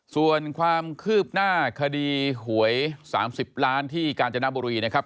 ส่วนความคืบหน้าคดีหวย๓๐ล้านที่กาญจนบุรีนะครับ